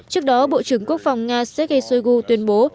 trước đó bộ trưởng quốc phòng nga sergei shoigu tuyên bố